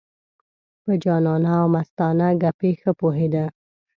په جانانه او مستانه ګپې ښه پوهېده.